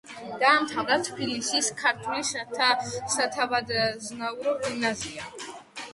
დაამთავრა თბილისის ქართული სათავადაზნაურო გიმნაზია.